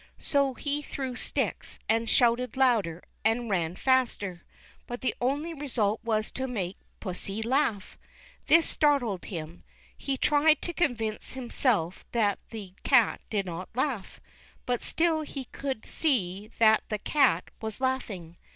So he threw sticks, and shouted louder, and ran faster; but the only result was to make pussy laugh. This startled him. He tried to convince himself that the cat did not laugh, but still he could see that the cat was laughing.